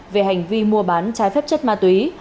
về hành vi mua bán trái phép chất ma túy